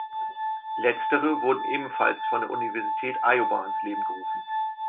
Letztere wurde ebenfalls von der Universität Iowa ins Leben gerufen.